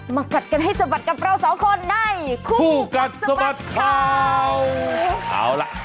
กัดกันให้สะบัดกับเราสองคนในคู่กัดสะบัดข่าวเอาล่ะ